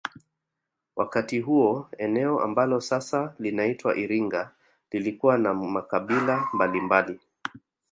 Wakati huo eneo ambalo sasa linaitwa Iringa lilikuwa na makabila mbalimbali